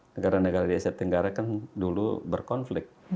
negara negara di asia tenggara kan dulu berkonflik